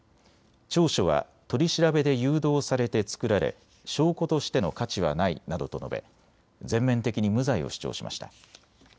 調書は取り調べで誘導されて作られ証拠としての価値はないなどと述べ全面的に無罪を主張しました。